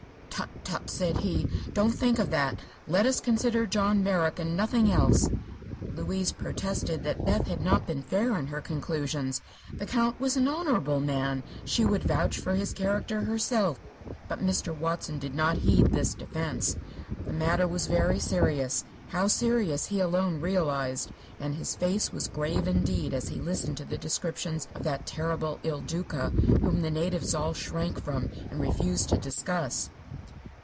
"Tut tut," said he; "don't think of that. Let us consider John Merrick, and nothing else." Louise protested that Beth had not been fair in her conclusions. The Count was an honorable man; she would vouch for his character herself. But Mr. Watson did not heed this defense. The matter was very serious how serious he alone realized and his face was grave indeed as he listened to the descriptions of that terrible Il Duca whom the natives all shrank from and refused to discuss.